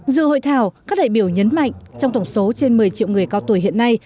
dự hội thảo các đại biểu nhấn mạnh trong tổng số trên một mươi triệu người cao tuổi hiện nay